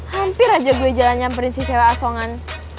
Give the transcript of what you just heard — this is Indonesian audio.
hampir aja gue jalan nyamperin si cewek asongan